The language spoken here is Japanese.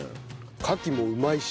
カキもうまいし。